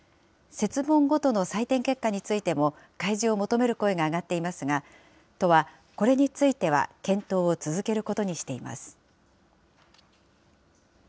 設問ごとの採点結果についても、開示を求める声が上がっていますが、都はこれについては検討を続けることにしています。